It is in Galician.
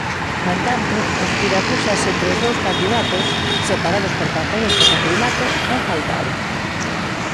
No entanto, os tirapuxas entre os dous candidatos ─separados por pantallas metacrilato─ non faltaron.